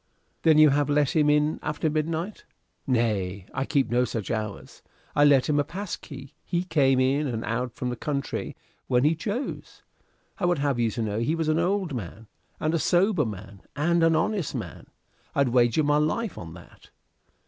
"Then you have let him in after midnight." "Nay, I keep no such hours. I lent him a pass key. He came in and out from the country when he chose. I would have you to know he was an old man, and a sober man, and an honest man: I'd wager my life on that.